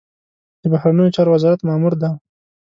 د بهرنیو چارو وزارت مامور دی.